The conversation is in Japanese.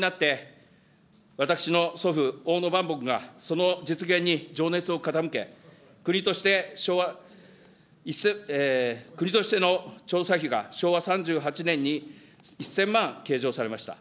戦後になって、私の祖父、おおのばんぼくがその実現に情熱を傾け、国としての調査費が昭和３８年に１０００万計上されました。